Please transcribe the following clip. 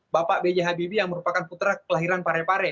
bapak b j habibie yang merupakan putra kelahiran parepare